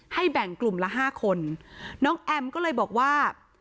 แบ่งกลุ่มละห้าคนน้องแอมก็เลยบอกว่า